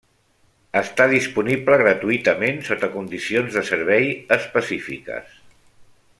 Està disponible gratuïtament sota condicions de servei específiques.